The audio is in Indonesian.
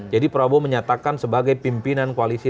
jadi prabowo menyatakan sebagai pimpinan koalisi